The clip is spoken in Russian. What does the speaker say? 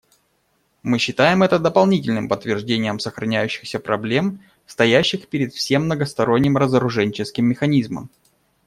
Мы считаем это дополнительным подтверждением сохраняющихся проблем, стоящих перед всем многосторонним разоруженческим механизмом.